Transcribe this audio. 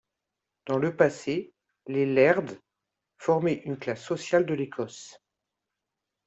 Dans le passé, les “lairds” formaient une classe sociale de l'Écosse.